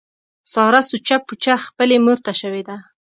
ساره سوچه پوچه خپلې مورته شوې ده.